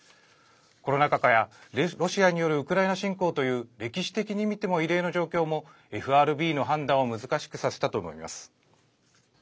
コロナ禍やロシアによるウクライナ侵攻という歴史的に見ても異例の状況もＦＲＢの判断を難しくさせたと思います。